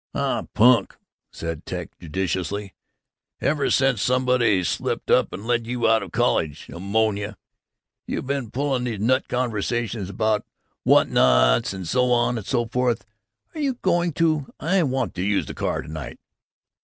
"Aw punk," said Ted judicially. "Ever since somebody slipped up and let you out of college, Ammonia, you been pulling these nut conversations about what nots and so on and so forths. Are you going to I want to use the car to night."